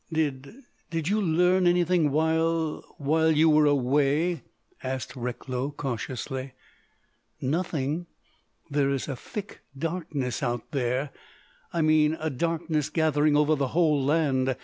"Did—did you learn anything while—while you were—away?" asked Recklow cautiously. "Nothing. There is a thick darkness out there—I mean a darkness gathering over the whole land.